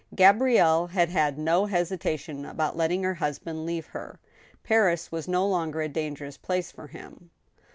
Gabrielle had had no hesitation about letting her husband leave her. Paris was no longer a dangerous place for him.